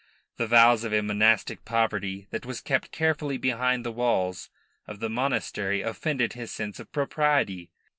The vows of a monastic poverty that was kept carefully beyond the walls of the monastery offended his sense of propriety.